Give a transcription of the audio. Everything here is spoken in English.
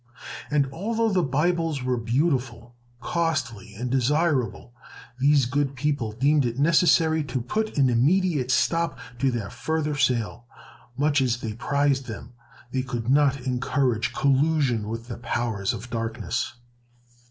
And although the Bibles were beautiful, costly, and desirable, these good people deemed it necessary to put an immediate stop to their further sale. Much as they prized them, they could not encourage collusion with the powers of darkness.